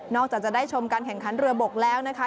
จากจะได้ชมการแข่งขันเรือบกแล้วนะคะ